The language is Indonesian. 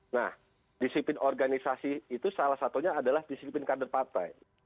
nah disiplin organisasi itu salah satunya adalah disiplin kader partai